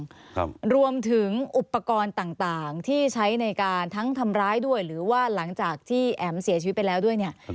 ครับรวมถึงอุปกรณ์ต่างต่างที่ใช้ในการทั้งทำร้ายด้วยหรือว่าหลังจากที่แอ๋มเสียชีวิตไปแล้วด้วยเนี่ย